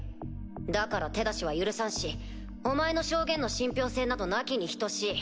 だから手出しは許さんしお前の証言の信憑性などなきに等しい。